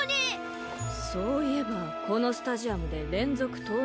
そういえばこのスタジアムでれんぞくとう